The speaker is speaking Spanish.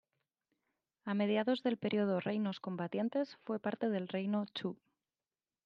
A mediados del periodo Reinos Combatientes fue parte del reino Chu.